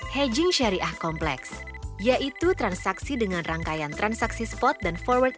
hedging syariah kompleks yaitu transaksi dengan rangkaian transaksi spot dan forward